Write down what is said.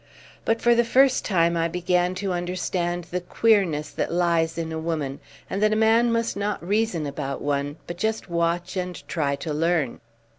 But for the first time I began to understand the queerness that lies in a woman, and that a man must not reason about one, but just watch and try to learn.